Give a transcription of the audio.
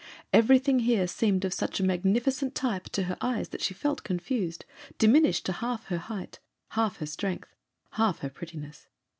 Everything here seemed of such a magnificent type to her eyes that she felt confused, diminished to half her height, half her strength, half her prettiness.